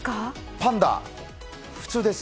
パンダ、普通です。